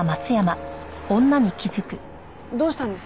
どうしたんです？